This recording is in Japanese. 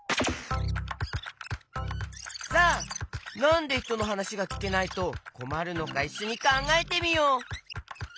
さあなんでひとのはなしがきけないとこまるのかいっしょにかんがえてみよう。